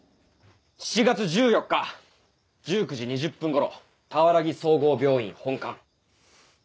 ７月１４日１９時２０分頃俵木総合病院本館。